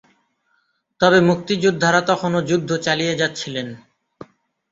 তবে মুক্তিযোদ্ধারা তখনও যুদ্ধ চালিয়ে যাচ্ছিলেন।